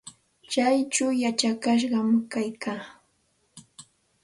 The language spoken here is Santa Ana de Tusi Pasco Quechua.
Kaychaw yachakashqam kaykaa.